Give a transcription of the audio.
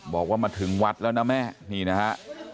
บอกว่ามาถึงวัดแล้วนะแม่นี่นะฮะ